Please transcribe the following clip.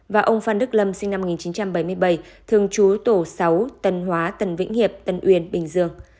và ông phan đức lâm sinh năm một nghìn chín trăm bảy mươi bảy thường trú tổ sáu tân hóa tân vĩnh hiệp tân uyên bình dương